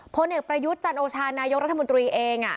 พลเอกประยุทธ์จันโอชานายกรัฐมนตรีเอง